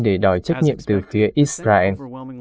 để đòi trách nhiệm từ phía israel